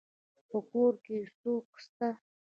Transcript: په کور کي څوک سته.